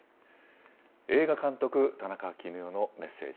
映画監督、田中絹代のメッセージ。